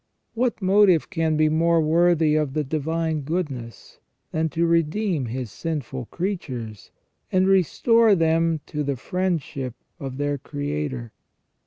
What motive can be more worthy of the Divine Goodness than to redeem His sinful creatures, and restore them to the friendship of their Creator?